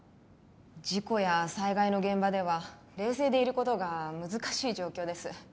事故や災害の現場では冷静でいることが難しい状況です